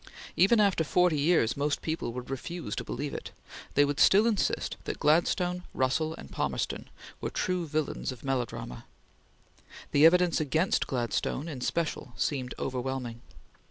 Even after forty years, most people would refuse to believe it; they would still insist that Gladstone, Russell, and Palmerston were true villains of melodrama. The evidence against Gladstone in special seemed overwhelming.